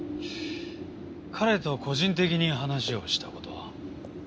彼と個人的に話をした事は？